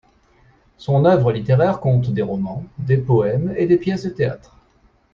Son œuvre littéraire compte des romans, des poèmes et des pièces de théâtre.